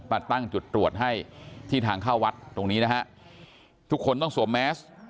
มาตั้งจุดตรวจให้ที่ทางเข้าวัดตรงนี้นะฮะทุกคนต้องสวมแมส